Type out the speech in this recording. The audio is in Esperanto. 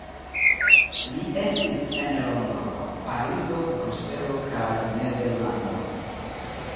Li estis en Londono, Parizo, Bruselo kaj Nederlando.